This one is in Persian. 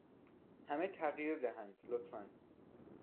همه تغییر دهند، لطفا.